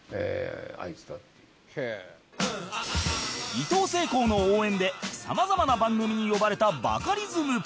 いとうせいこうの応援で様々な番組に呼ばれたバカリズム